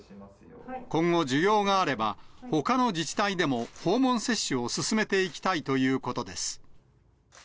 今後、需要があれば、ほかの自治体でも訪問接種を進めていきたいということです。